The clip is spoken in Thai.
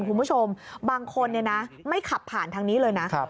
คุณผู้ชมบางคนไม่ขับผ่านทางนี้เลยนะ